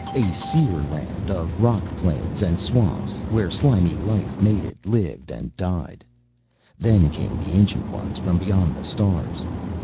A sere land of rock plains, and swamps where slimy life mated, lived and died. "Then came the Ancient Ones from beyond the stars.